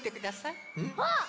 あっ！